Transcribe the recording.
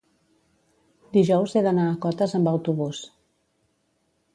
Dijous he d'anar a Cotes amb autobús.